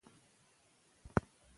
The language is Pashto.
ستوري اوسئ او وځلیږئ.